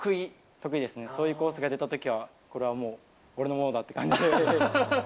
得意ですね、そういうコースが出たときは、これはもう、俺のものだって感じです。